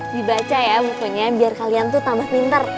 dibaca ya pokoknya biar kalian tuh tambah pinter